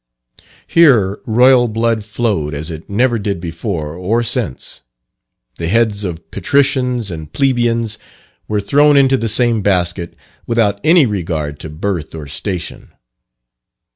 Here Royal blood flowed as it never did before or since. The heads of patricians and plebians, were thrown into the same basket, without any regard to birth or station.